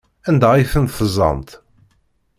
Anda ay tent-teẓẓamt?